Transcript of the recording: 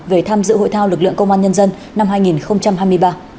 về tham dự hội thao lực lượng công an nhân dân năm hai nghìn hai mươi ba